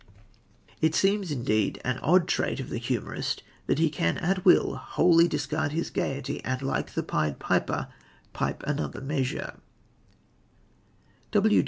It seems, indeed, an odd trait of the humorist that he can at will wholly discard his gaiety, and, like the Pied Piper, pipe to another measure.